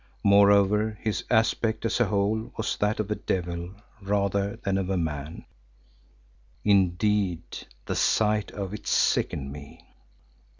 Moreover his aspect as a whole was that of a devil rather than of a man; indeed the sight of it sickened me.